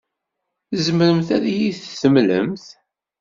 Tzemremt ad iyi-d-temlemt?